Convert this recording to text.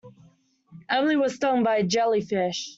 Emily was stung by a jellyfish.